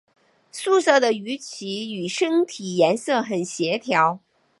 素色的鱼鳍与身体颜色很协调。